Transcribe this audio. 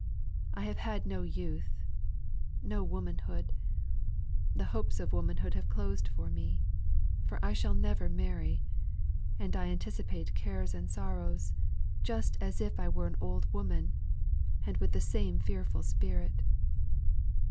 I have had no youth no womanhood; the hopes of womanhood have closed for me for I shall never marry; and I anticipate cares and sorrows just as if I were an old woman, and with the same tearful spirit.